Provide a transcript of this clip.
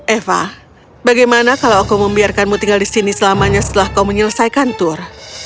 eva bagaimana kalau aku membiarkanmu tinggal di sini selamanya setelah kau menyelesaikan tur